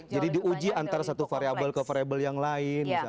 jadi diuji antara satu variable ke variable yang lain